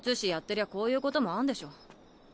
てりゃこういうこともあんでしょ。